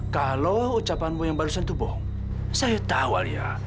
kalau ucapanmu yang barusan itu bohong saya tahu alia